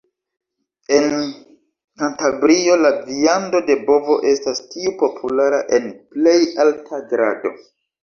En Kantabrio la viando de bovo estas tiu populara en plej alta grado.